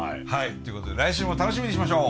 ということで来週も楽しみにしましょう！